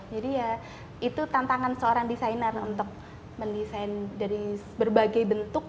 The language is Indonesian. jadi ya itu tantangan seorang desainer untuk mendesain dari berbagai bentuk